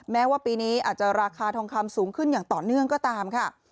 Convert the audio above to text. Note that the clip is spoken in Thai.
แม้ว่าปีนี้อาจจะราคาทองคำสูงขึ้นอย่างต่อเนื่องก็ตามค่ะ